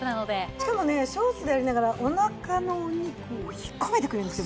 しかもねショーツでありながらお腹のお肉を引っ込めてくれるんですよ。